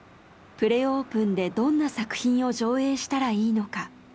プレオープンでどんな作品を上映したらいいのか。